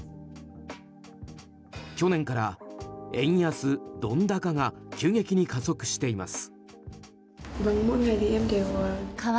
去年から円安ドン高が急激に加速しています。